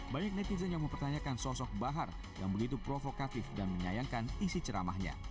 banyak netizen yang mempertanyakan sosok bahar yang begitu provokatif dan menyayangkan isi ceramahnya